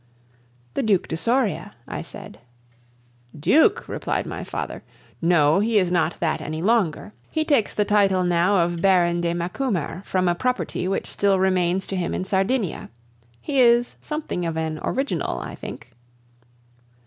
"The Duc de Soria," I said. "Duke!" replied my father. "No, he is not that any longer; he takes the title now of Baron de Macumer from a property which still remains to him in Sardinia. He is something of an original, I think."